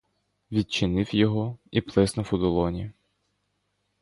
Відчинив його і плеснув у долоні.